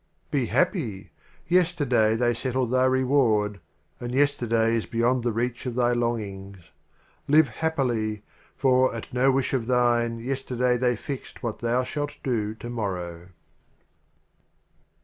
LXXIV. Be happy! Yesterday they settled thy Reward, And Yesterday is beyond the reach of thy Longings. Live happily ! For, at no wish of thine, Yesterday they fixed what thou shalt do To morrow.